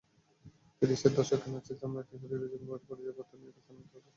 তিরিশের দশকে নাৎসি জার্মানিতে ইহুদিদের যেমন বিশেষ পরিচয়পত্র নিয়ে রাস্তায় নামতে হতো।